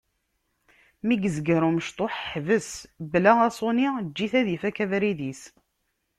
Mi yezger umecṭuḥ ḥbes, bla aṣuni, eǧǧ-it ad ifak abrid-is.